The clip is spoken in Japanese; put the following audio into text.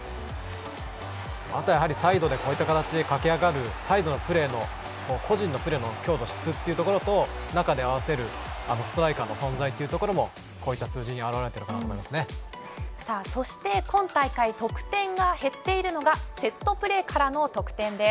あとは、やはりサイドでこういった形でかけ上がるサイドのプレーも個人のプレーの強度質というところと中で合わせるストライカーの存在というところもこういった数字にそして今大会得点が減っているのがセットプレーからの得点です。